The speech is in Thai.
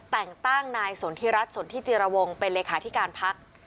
แต่งตั้งนายสนทิรัฐสนทิจิรวงเป็นเลขาธิการพัก